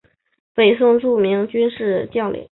北宋著名军事将领。